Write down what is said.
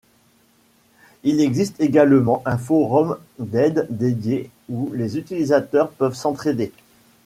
Il existe également un forum d'aide dédié ou les utilisateurs peuvent s'entraider.